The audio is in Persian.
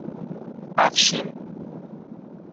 اَفشین